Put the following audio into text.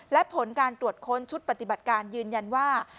และผลการตรวจค้นชุดปฏิบัติการยืนยันว่า